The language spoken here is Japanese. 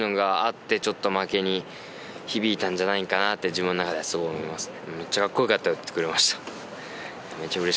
自分の中ではすごい思いますね。